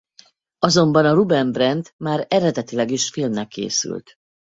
Azonban a Ruben Brandt már eredetileg is filmnek készült.